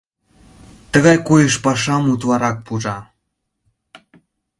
Тыгай койыш пашам утларак пужа.